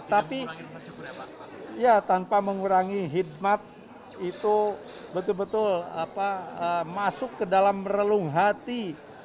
tapi ya tanpa mengurangi hikmat itu betul betul masuk ke dalam relung hati